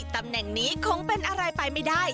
ตำแหน่งนี้คงเป็นอะไรไปไม่ได้